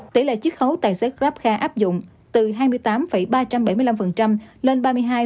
tỷ lệ chiếc khấu tài xế grabkha áp dụng từ hai mươi tám ba trăm bảy mươi năm lên ba mươi hai tám trăm bốn mươi một